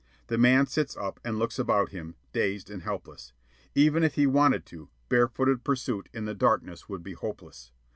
The man sits up and looks about him, dazed and helpless. Even if he wanted to, barefooted pursuit in the darkness would be hopeless.